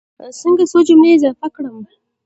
څنګه څو جملې اضافه کړم.